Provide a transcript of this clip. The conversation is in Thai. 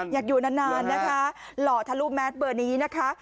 อยากอยู่นานนะคะหล่อทะลุแมสเบอร์นี้นะคะ